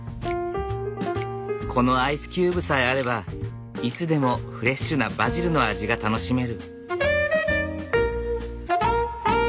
このアイスキューブさえあればいつでもフレッシュなバジルの味が楽しめる。